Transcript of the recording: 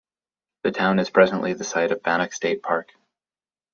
The town is presently the site of Bannack State Park.